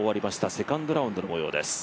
セカンドラウンドのもようです。